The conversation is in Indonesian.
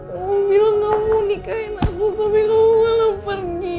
kamu bilang gak mau nikahin aku kamu bilang gak mau malah pergi